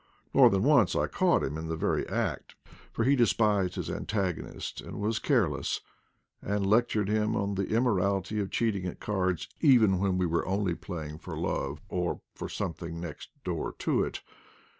More than once I caught him in the very act, for he despised his antagonist and was care less, and lectured him on the immorality of cheat ing at cards, even when we were only playing for love, or for something next door to it.